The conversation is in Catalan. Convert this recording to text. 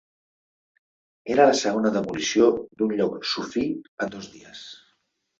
Era la segona demolició d'un lloc sufí en dos dies.